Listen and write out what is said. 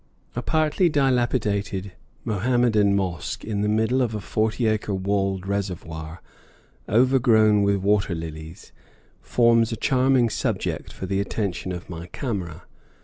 A partly dilapidated Mohammedan mosque in the middle of a forty acre walled reservoir, overgrown with water lilies, forms a charming subject for the attention of my camera.